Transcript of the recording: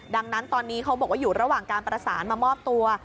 ดังนั้นตอนนี้เขาบอกว่าอยู่ระหว่างการประสานมามอบตัว